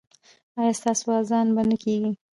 ایا ستاسو اذان به نه کیږي؟